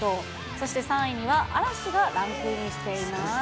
そして３位には嵐がランクインしています。